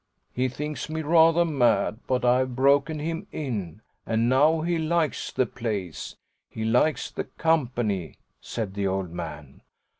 "He thinks me rather mad, but I've broken him in, and now he likes the place, he likes the company," said the old man.